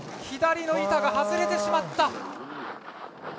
左の板が外れてしまった。